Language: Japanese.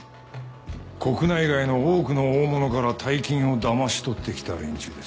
国内外の多くの大物から大金をだましとってきた連中です。